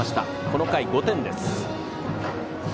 この回、５点です。